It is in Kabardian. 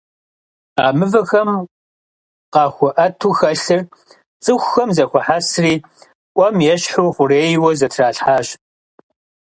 А мывэхэм къахуэӀэту хэлъыр цӀыхухэм зэхуахьэсри, Ӏуэм ещхьу хъурейуэ зэтралъхьащ.